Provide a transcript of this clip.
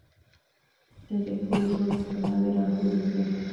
• ته د ټول ژوند ښکلاوې راټولې کړې.